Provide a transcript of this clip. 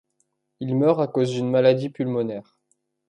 Il meurt à cause d'une maladie pulmonaire.